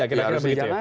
ya harus dijalankan